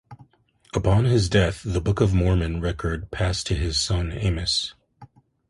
Upon his death the Book of Mormon record passed to his son Amos.